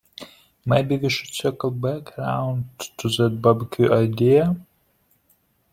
Maybe we should circle back round to that barbecue idea?